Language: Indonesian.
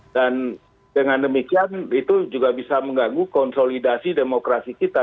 dan dengan demikian itu juga bisa mengganggu konsolidasi demokrasi kita